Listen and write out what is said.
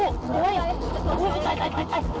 โอ้โฮไปไปไปไป